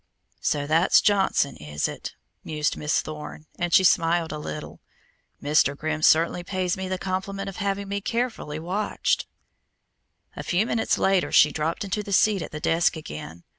"So that's Johnson, is it?" mused Miss Thorne, and she smiled a little. "Mr. Grimm certainly pays me the compliment of having me carefully watched." A few minutes later she dropped into the seat at the desk again.